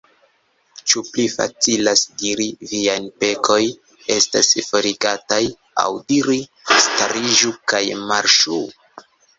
Ĉu pli facilas diri: Viaj pekoj estas forigataj; aŭ diri: Stariĝu kaj marŝu?